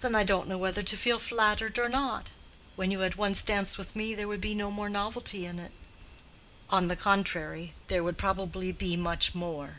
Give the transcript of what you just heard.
"Then I don't know whether to feel flattered or not. When you had once danced with me there would be no more novelty in it." "On the contrary, there would probably be much more."